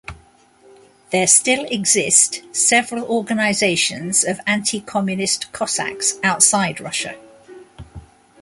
There still exist several Organisations of Anti-communist Cossacks Outside Russia.